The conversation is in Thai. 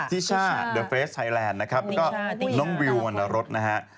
ทิช่าเทฟเฟสไทยแลนด์นะครับแล้วก็น้องวิววันรถนะครับ